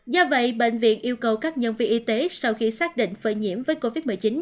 do vậy bệnh viện yêu cầu các nhân viên y tế sau khi xác định phơi nhiễm với covid một mươi chín